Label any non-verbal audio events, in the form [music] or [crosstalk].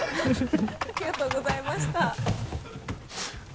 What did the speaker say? ありがとうございました [laughs]